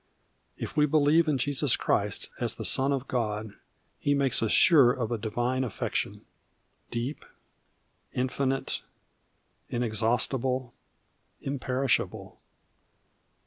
If we believe in Jesus Christ as the Son of God, He makes us sure of a Divine affection, deep, infinite, inexhaustible, imperishable.